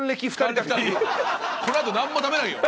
この後何も食べないよ。